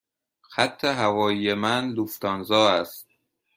خط هوایی من لوفتانزا است.